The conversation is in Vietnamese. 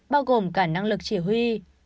bao gồm cả năng lực chỉ huy